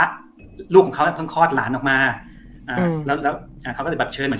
พระลูกของเขาน่ะเพิ่งคลอดหลานออกมาแล้วเขาก็แบบเชิญ